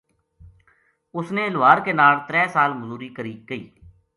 اُس نے لوہار کے ناڑ ترے سال مزوری کئی